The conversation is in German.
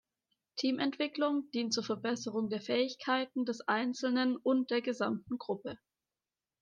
Teamentwicklung dient zur Verbesserung der Fähigkeiten des Einzelnen und der gesamten Gruppe.